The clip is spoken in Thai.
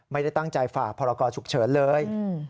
ไม่ได้ตั้งใจฝ่าพรกรฉุกเฉินเลย